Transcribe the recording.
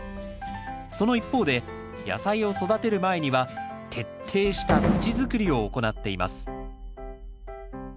その一方で野菜を育てる前には徹底した土づくりを行っています